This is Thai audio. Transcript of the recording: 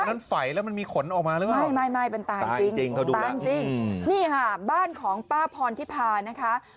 อันนั้นไฝแล้วมันมีขนออกมาหรือเปล่าตาจริงตาจริงนี่ค่ะบ้านของป้าพรทิพานะคะ